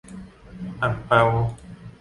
อั่งเปา